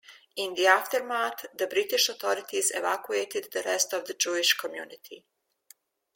In the aftermath, the British authorities evacuated the rest of the Jewish community.